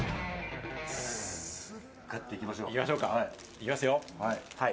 行きますよ。